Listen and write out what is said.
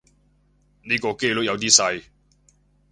呢個機率有啲細